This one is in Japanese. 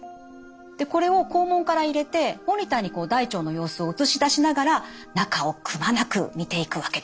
これを肛門から入れてモニターに大腸の様子を映し出しながら中をくまなく見ていくわけです。